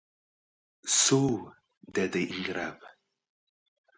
— Suv!— dedi ingrab.